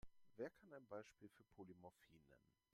Wer kann ein Beispiel für Polymorphie nennen?